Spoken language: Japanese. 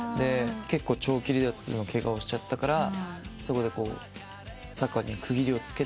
結構長期離脱のケガをしちゃったからそこでサッカーには区切りをつけて。